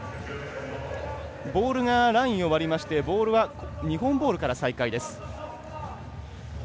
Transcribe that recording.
ボールがラインを割って日本ボールから再開です。